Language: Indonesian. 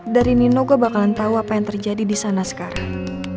dari nino gue bakalan tau apa yang terjadi disana sekarang